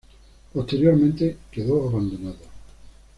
Posteriormente quedó abandonado.